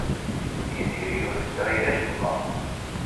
Tiziri ur tesɛi acemma.